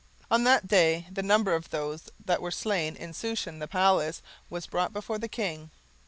17:009:011 On that day the number of those that were slain in Shushan the palace was brought before the king.